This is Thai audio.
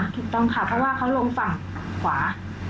ถูกต้องค่ะเพราะว่าเขาลงฝั่งขวา